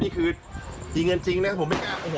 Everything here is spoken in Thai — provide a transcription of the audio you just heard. โอ้โหยังไม่หยุดนะครับ